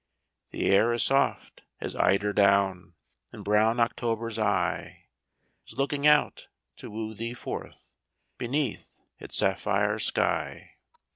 The air is soft as eider down ; And brown October's eye Is looking out to woo thee forth Beneath its sapphire sky.